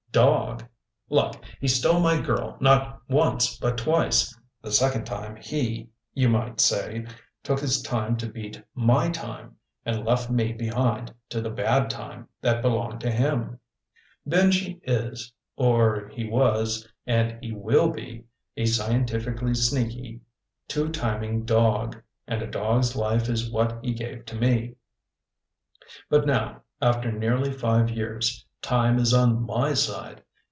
Dog? Look, he stole my girl not once but twice. The second time he, you might say, took his time to beat my time and left me behind to the bad time that belonged to him. Benji is or he was and he will be a scientifically sneaky, two timing dog, and a dog's life is what he gave me. But now, after nearly five years, time is on my side.